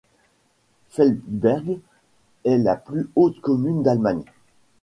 Feldberg est la plus haute commune d'Allemagne.